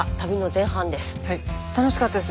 楽しかったです。